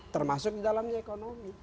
termasuk di dalamnya ekonomi